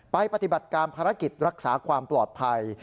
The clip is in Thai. ปฏิบัติการภารกิจรักษาความปลอดภัย